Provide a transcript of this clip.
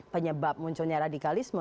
penyebab munculnya radikalisme